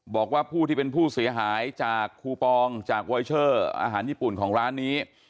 บอกว่าผู้ที่เป็นผู้เสียหายจากคูปองจากเวอร์เชอร์อาหารญี่ปุ่นของร้านนี้